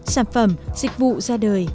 sản phẩm dịch vụ ra đời